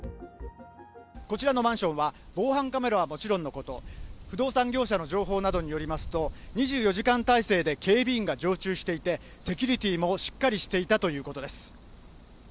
こちらのマンションは、防犯カメラはもちろんのこと、不動産業者の情報などによりますと、２４時間態勢で警備員が常駐していて、セキュリティーもしっかりしていたということです。